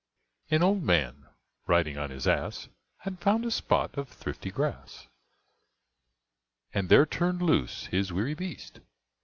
An old man, riding on his ass, Had found a spot of thrifty grass, And there turn'd loose his weary beast.